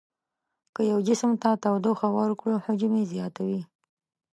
که یو جسم ته تودوخه ورکړو حجم یې زیاتوي.